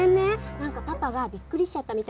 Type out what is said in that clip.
なんかパパがびっくりしちゃったみたいで。